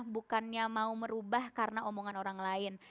bukannya mau merubah karena omongan orang lain